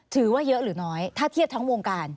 ถือว่าเยอะหรือน้อยถ้าเทียบทั้งวงการ